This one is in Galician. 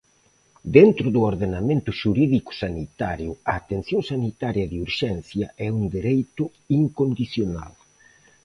Dentro do ordenamento xurídico sanitario, a atención sanitaria de urxencia é un dereito incondicional.